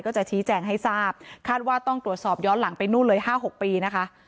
จะชี้แจงให้ทราบคาดว่าต้องตรวจสอบย้อนหลังไปนู่นเลย๕๖ปีนะคะ